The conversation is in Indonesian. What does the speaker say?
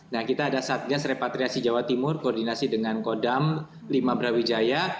nah kita ada satgas repatriasi jawa timur koordinasi dengan kodam lima brawijaya